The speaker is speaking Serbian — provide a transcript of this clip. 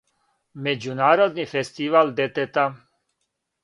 Међународни фестивал детета.